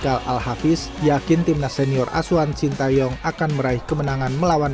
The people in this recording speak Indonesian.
ahmad haikal al hafiz yakin timnas senior aswan sintayong akan meraih kemenangan melawan